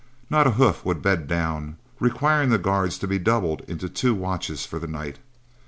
Not a hoof would bed down, requiring the guards to be doubled into two watches for the night.